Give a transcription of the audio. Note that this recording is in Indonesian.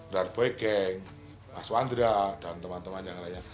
darboy gang mas wandria dan teman teman yang lainnya